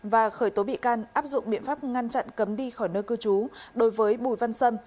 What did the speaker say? và khởi tố bị can áp dụng biện pháp ngăn chặn cấm đi khỏi nơi cư trú đối với bùi văn sâm